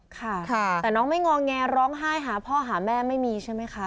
ค่ะแต่น้องไม่งอแงร้องไห้หาพ่อหาแม่ไม่มีใช่ไหมคะ